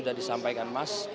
sudah disampaikan mas